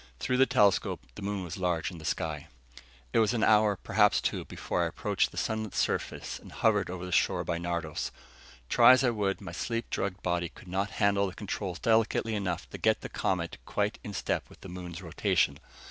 Through the telescope, the moon was large in the sky. It was an hour, perhaps two, before I approached the sunlit surface and hovered over the shore by Nardos. Try as I would, my sleep drugged body could not handle the controls delicately enough to get the Comet quite in step with the moon's rotation.